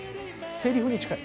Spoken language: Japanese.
せりふに近い。